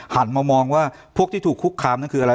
หันมามองว่าพวกที่ถูกคุกคามนั่นคืออะไร